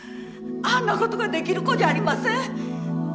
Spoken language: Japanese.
あんな事ができる子じゃありません！